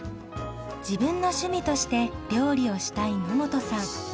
自分の趣味として料理をしたい野本さん。